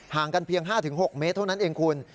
กันเพียง๕๖เมตรเท่านั้นเองคุณ